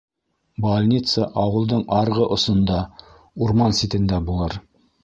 - Больница ауылдың арғы осонда, урман ситендә булыр.